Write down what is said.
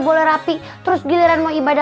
boleh rapi terus giliran mau ibadah